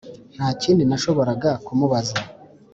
Nta kindi nashoboraga kumubaza